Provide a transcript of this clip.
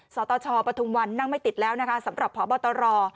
สตชปทุมวันนั่งไม่ติดแล้วนะคะสำหรับพบตร